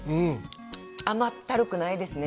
甘ったるくないですね